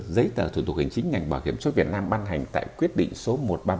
bây giờ thủ tục hành chính ngành bảo hiểm số việt nam ban hành tại quyết định số một nghìn ba trăm ba mươi ba